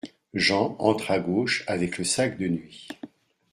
Jean entre à gauche avec le sac de nuit.